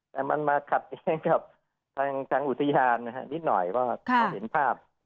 แต่มันมาขัดแย้งกับทางอุทยานนะฮะนิดหน่อยว่าเขาเห็นภาพ